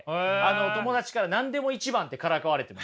友達から何でも一番ってからかわれてました。